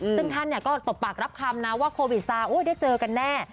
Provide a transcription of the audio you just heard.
ซึ่งท่านก็ตบปากรับคำนะว่าโควิดซาได้เจอกันแน่